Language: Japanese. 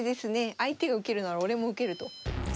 相手が受けるなら俺も受けると。